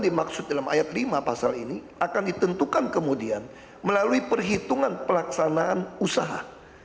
dimaksud dalam ayat lima pasal ini akan ditentukan kemudian melalui perhitungan pelaksanaan usaha